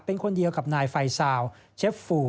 เป็นคนเดียวกับนายไฟซาวเชฟฟู